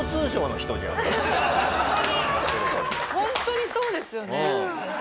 ホントにホントにそうですよね。